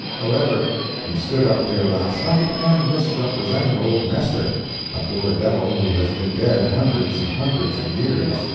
However, he stood up there last night and misrepresented old Nestor—a poor devil who has been dead hundreds and hundreds of years.